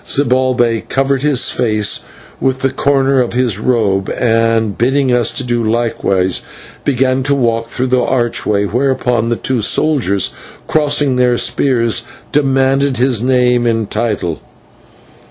Zibalbay covered his face with the corner of his robe, and, bidding us do likewise, began to walk through the archway, whereupon the two soldiers, crossing their spears, demanded his name and title.